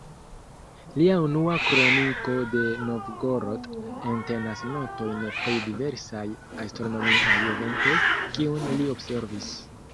Lia "Unua kroniko de Novgorod" entenas notojn pri diversaj astronomiaj eventoj, kiun li observis.